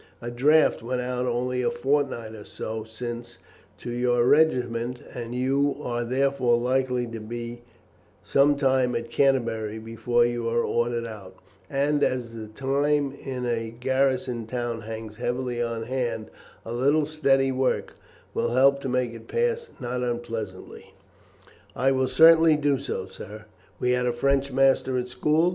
A draft went out only a fortnight or so since to your regiment, and you are therefore likely to be some time at Canterbury before you are ordered out, and as the time in a garrison town hangs heavily on hand, a little steady work will help to make it pass not unpleasantly." "I will certainly do so, sir. We had a French master at school.